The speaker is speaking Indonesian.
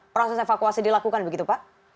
proses evakuasi dilakukan begitu pak